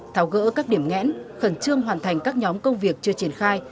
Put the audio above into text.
tháo gỡ các điểm ngẽn khẩn trương hoàn thành các nhóm công việc chưa triển khai